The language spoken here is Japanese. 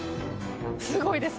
すごいです。